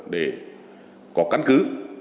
để có căn cứ